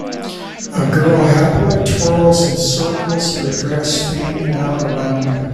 A girl happily twirls in circles her dress fanning out around her